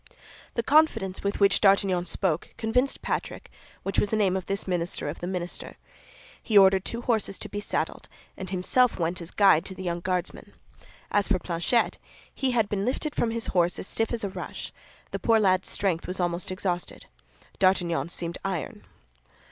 The confidence with which D'Artagnan spoke convinced Patrick, which was the name of this minister of the minister. He ordered two horses to be saddled, and himself went as guide to the young Guardsman. As for Planchet, he had been lifted from his horse as stiff as a rush; the poor lad's strength was almost exhausted. D'Artagnan seemed iron.